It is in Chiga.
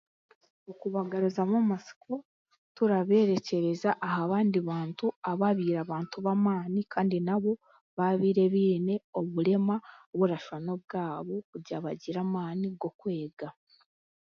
Okubagaruzamu amasiko turabeerekyereza abandi bantu ababaire abantu b'amaani kandi nabo baabaire baine oburema burashwa n'obwabo kugira ngu bagire amaani g'okwega.